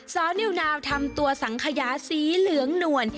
สนิวนาวทำตัวสังขยาสีเหลืองหนวล